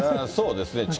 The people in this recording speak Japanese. そうですね。